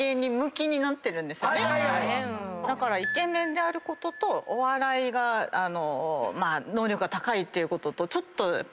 だからイケメンであることとお笑いが能力が高いってこととちょっと相殺し合っちゃう。